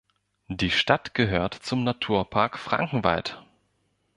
Die Stadt gehört zum Naturpark Frankenwald.